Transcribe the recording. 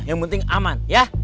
yang penting aman ya